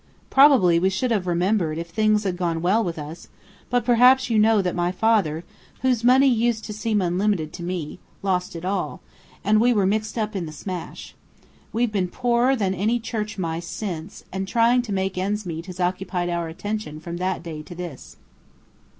Probably we should have remembered if things had gone well with us: but perhaps you know that my father (whose money used to seem unlimited to me) lost it all, and we were mixed up in the smash. We've been poorer than any church mice since, and trying to make ends meet has occupied our attention from that day to this.